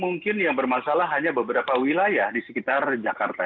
mungkin yang bermasalah hanya beberapa wilayah di sekitar jakarta